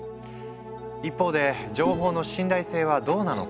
一方で情報の信頼性はどうなのか？